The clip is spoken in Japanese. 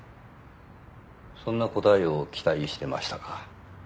そんな答えを期待してましたか？